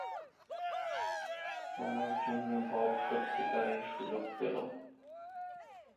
তোমার জন্যে, বব সত্যিকারের সুযোগ পেল।